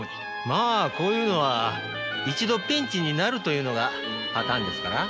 まあこういうのは一度ピンチになるというのがパターンですから。